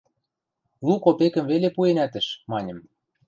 – Лу копекӹм веле пуэнӓтӹш, – маньым.